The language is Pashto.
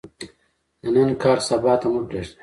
د نن کار، سبا ته مه پریږده.